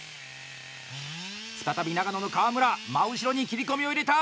再び長野の川村真後ろに切り込みを入れた！